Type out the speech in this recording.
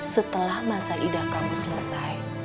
setelah masa idah kamu selesai